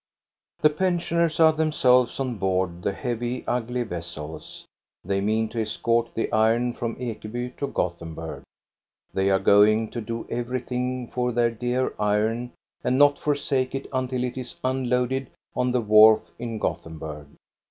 The pensioners are themselves on board the heavy, ugly vessels ; they mean to escort the iron from Ekeby to Gothenburg. They are going to do everj^hing for their dear iron and not forsake it until it is un loaded on the wharf in Gothenburg.